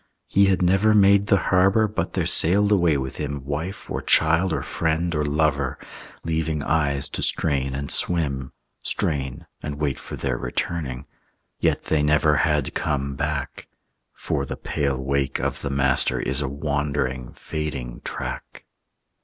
He had never made the Harbor But there sailed away with him Wife or child or friend or lover, Leaving eyes to strain and swim, Strain and wait for their returning; Yet they never had come back; For the pale wake of the Master Is a wandering, fading track.